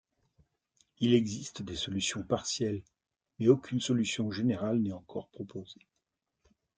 Il existe des solutions partielles, mais aucune solution générale n'est encore proposée.